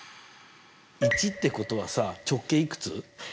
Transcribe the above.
１ってことはさ直径いくつ？